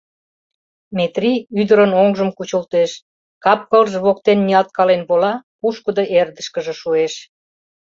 Метрий ӱдырын оҥжым кучылтеш, кап-кылже воктен ниялткален вола, пушкыдо эрдышкыже шуэш...